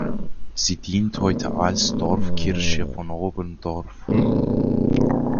Sie dient heute als Dorfkirche von Oberndorf.